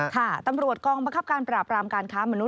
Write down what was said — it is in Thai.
ค่ะตำรวจกองบังคับการปราบรามการค้ามนุษ